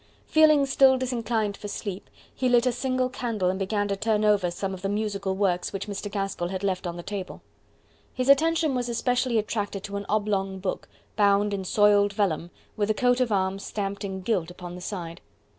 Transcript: Feeling still disinclined for sleep, he lit a single candle and began to turn over some of the musical works which Mr. Gaskell had left on the table. His attention was especially attracted to an oblong book, bound in soiled vellum, with a coat of arms stamped in gilt upon the side.